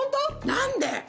何で？